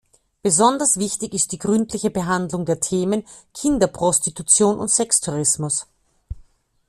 Besonders wichtig ist die gründliche Behandlung der Themen Kinderprostitution und Sextourismus.